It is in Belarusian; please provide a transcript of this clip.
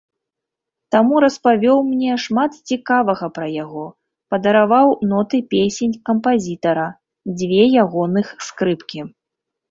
Таму распавёў мне шмат цікавага пра яго, падараваў ноты песень кампазітара, дзве ягоных скрыпкі.